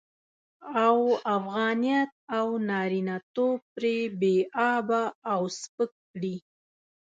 او افغانيت او نارينه توب پرې بې آبه او سپک کړي.